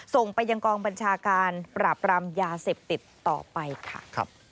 ส่งไปยังกองบัญชาการปราบรามยาเสพติดต่อไปค่ะ